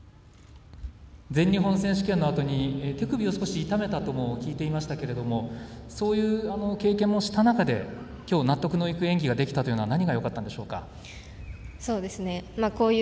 全日本選手権のあとに手首を少し痛めたとも聞いていましたけどもそういう経験もした中できょう納得のいく演技ができたというのは何がよかったんでしょうか。